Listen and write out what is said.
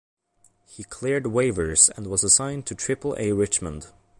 He cleared waivers and was assigned to Triple-A Richmond.